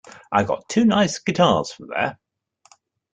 I got two nice guitars from there.